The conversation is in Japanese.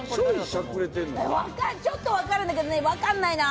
ちょっと分かるんだけれどもね、わかんないな。